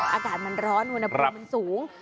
อากาศมันร้อนอุณหภูมิมันสูง